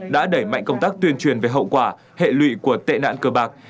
đã đẩy mạnh công tác tuyên truyền về hậu quả hệ lụy của tệ nạn cơ bạc